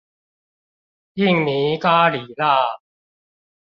印尼咖哩辣